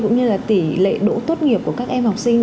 cũng như là tỷ lệ đỗ tốt nghiệp của các em học sinh